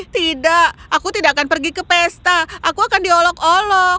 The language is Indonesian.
tidak aku tidak akan pergi ke pesta aku akan diolok olok